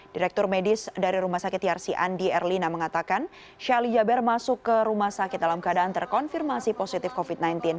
direktur medis dari rumah sakit trc andi erlina mengatakan sheikh ali jaber masuk ke rumah sakit dalam keadaan terkonfirmasi positif covid sembilan belas